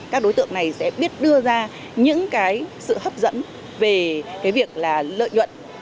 các đối tượng này sẽ biết đưa ra những cái sự hấp dẫn về cái việc là lợi nhuận